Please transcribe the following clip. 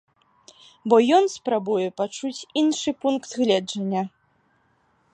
Бо ён спрабуе пачуць іншы пункт гледжання.